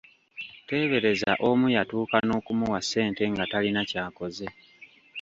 Tebeereza omu yatuuka n’okumuwa ssente nga talina kyakoze.